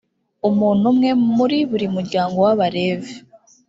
umuntu umwe muri buri muryango w’abalevi.